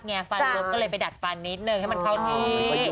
ฟันลบก็เลยไปดัดฟันนิดนึงให้มันเข้าที่